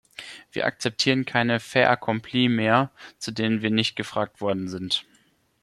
Wir akzeptieren keine faits accomplis mehr, zu denen wir nicht gefragt worden sind!